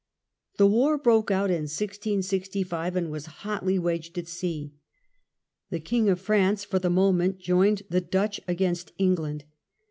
The war broke out in 1665, and was hotly waged at sea. The King of France, for the moment, joined the Dutch against England.